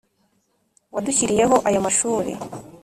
wadushyiriyeho aya mashuri